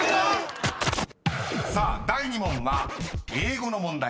［さあ第２問は英語の問題です］